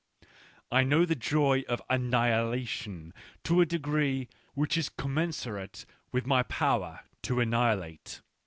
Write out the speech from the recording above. I know the joy of annihilation to a degree which is commensurate with my power to annihilate.